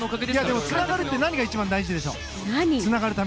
でもつながるって何が一番大事でしょう？